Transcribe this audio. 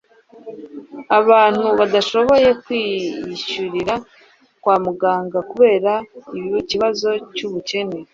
abantu badashoboye kwiyishurira kwa muganga kubera ikibazo cy'ubukene